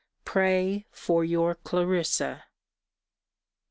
Pray for your CLARISSA.